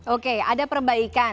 oke ada perbaikan